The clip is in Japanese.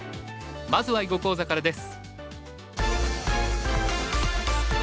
まずは囲碁講座からです。